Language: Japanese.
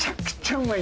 うまい。